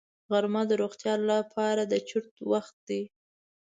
غرمه د روغتیا لپاره د چرت وخت دی